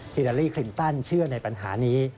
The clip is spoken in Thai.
อิตาลีคลินตันเชื่อในปัญหานี้